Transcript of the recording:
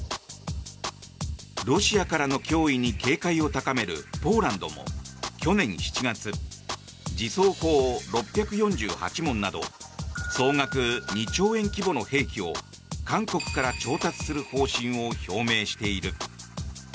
ロシアからの脅威に警戒を高めるポーランドも去年７月、自走砲６４８門など総額２兆円規模の兵器を韓国から調達する方針を表明している。